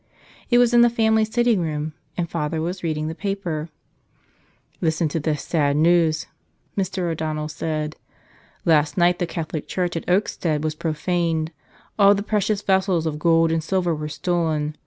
It was in the family sitting room, and father was reading the paper. "Listen to this sad news," Mr. O'Donnell said. " 'Last night the Catholic church at Oakstead was profaned. All the precious vessels of gold and silver were stolen.